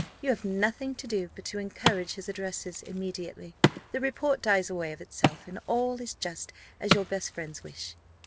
You have nothing to do but to encourage his addresses immediately, the report dies away of itself, and all is just as your best friends wish.